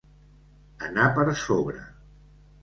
Anar per sobre.